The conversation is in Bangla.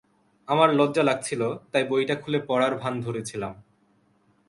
আমার লজ্জা লাগছিল, তাই বইটা খুলে পড়ার ভান ধরেছিলাম।